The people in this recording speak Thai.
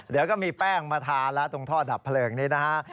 เดี๋ยวก็มีแป้งมาทานแล้วตรงท่อดับเพลิงนี้นะฮะ